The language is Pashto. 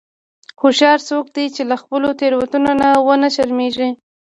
هوښیار څوک دی چې له خپلو تېروتنو نه و نه شرمیږي.